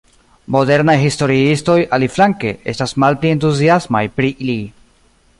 Modernaj historiistoj, aliflanke, estas malpli entuziasmaj pri li.